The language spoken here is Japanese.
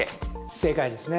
正解ですね。